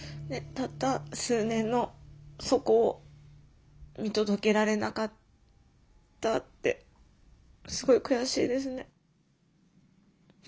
たった数年のそこを見届けられなかったってすごい悔しいですね。